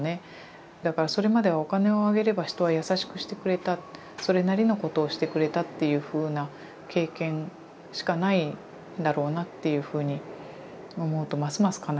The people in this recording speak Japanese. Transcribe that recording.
だからそれまではお金をあげれば人は優しくしてくれたそれなりのことをしてくれたっていうふうな経験しかないんだろうなっていうふうに思うとますます悲しいんですけれど。